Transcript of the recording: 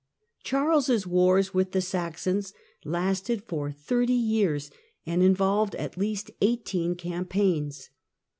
Charles' wars with the Saxons lasted for thirty years The Saxon and involved at least eighteen campaigns.